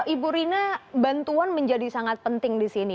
ibu rina bantuan menjadi sangat penting di sini